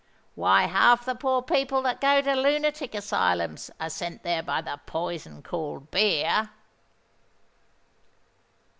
Why half the poor people that go to lunatic asylums, are sent there by the poison called beer."